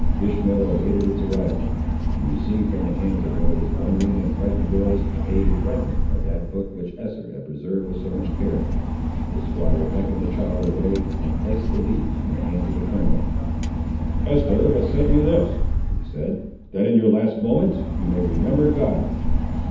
Ishmael awaited its arrival. He received from the hands of one of his wondering and frighted girls a fragment of that book, which Esther had preserved with so much care. The squatter beckoned the child away, and placed the leaves in the hands of the criminal. "Eest'er has sent you this," he said, "that, in your last moments, you may remember God."